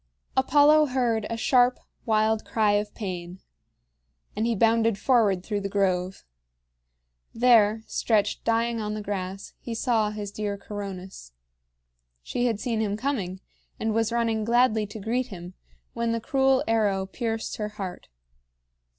Apollo heard a sharp, wild cry of pain; and he bounded forward through the grove. There, stretched dying on the grass, he saw his dear Coronis. She had seen him coming, and was running gladly to greet him, when the cruel arrow pierced her heart.